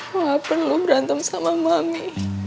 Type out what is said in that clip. kenapa lo berantem sama mami